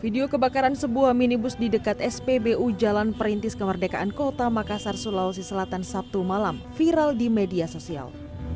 video kebakaran sebuah minibus di dekat spbu jalan perintis kemerdekaan kota makassar sulawesi selatan sabtu malam viral di media sosial